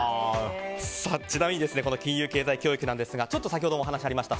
ちなみにこの金融経済教育なんですが先ほどもお話ありました